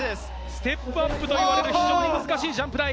ステップアップと呼ばれる非常に難しいジャンプ台。